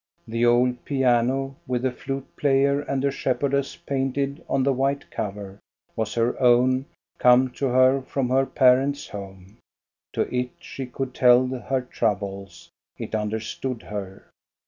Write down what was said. The old piano, with a flute player and shep herdess painted on the white cover, was her own, come to her from her parents' home. To it she could tell her troubles; it understood her.